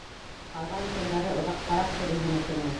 Ҡалған көндәре оҙаҡҡараҡ һуҙылһын өсөнмө?